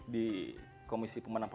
di komisi pemenang demokrat